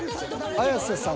綾瀬さん